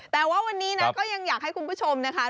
แต่ว่าวันนี้นะก็ยังอยากให้คุณผู้ชมนะคะ